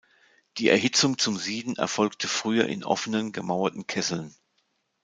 Die Erhitzung zum Sieden erfolgte früher in offenen gemauerten Kesseln.